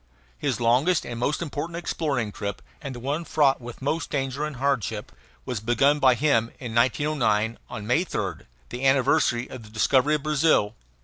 His longest and most important exploring trip, and the one fraught with most danger and hardship, was begun by him in 1909, on May 3rd, the anniversary of the discovery of Brazil.